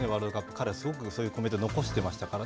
彼はすごくそういうコメントを残してましたから。